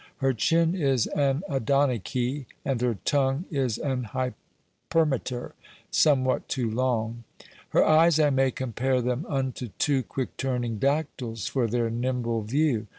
Her chinne is an adonicke, and her tongue Is an Hypermeter, somewhat too long. Her eies I may compare them unto two Quick turning dactyles, for their nimble view.